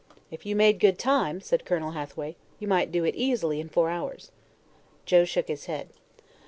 "If you made good time," said Colonel Hathaway, "you might do it easily in four hours." Joe shook his head.